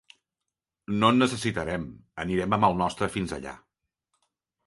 No en necessitarem, anirem amb el nostre fins allà.